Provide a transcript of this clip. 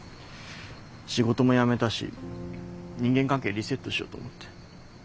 仕事も辞めたし人間関係リセットしようと思って。